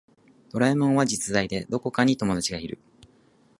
ドラえもんは実在でどこかに友達がいる